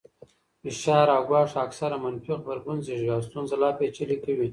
فشار او ګواښ اکثراً منفي غبرګون زېږوي او ستونزه لا پېچلې کوي.